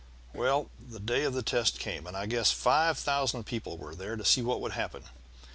"Well the day of the test came, and I guess five thousand people were there to see what would happen.